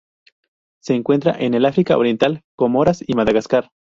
Se encuentra en el África Oriental Comoras y Madagascar.